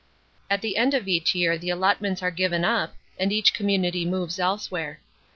At the end of each year the allotments arc given up, and each community moves elsewhere.